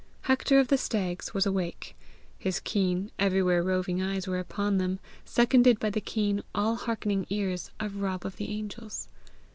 Hector of the Stags was awake; his keen, everywhere roving eyes were upon them, seconded by the keen, all hearkening ears of Rob of the Angels.